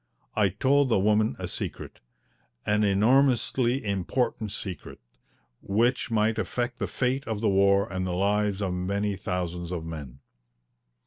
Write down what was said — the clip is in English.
I told the woman a secret, an enormously important secret, which might affect the fate of the war and the lives of many thousands of men.